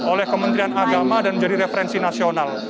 oleh kementerian agama dan menjadi referensi nasional